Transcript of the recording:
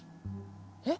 えっ？